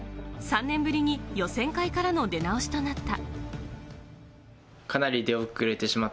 ３年ぶりに予選会からの出直しとなった。